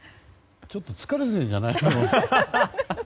ちょっと疲れてたんじゃないのかな？